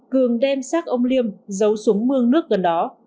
cường đem xác ông liêm giấu xuống mương nước gần đó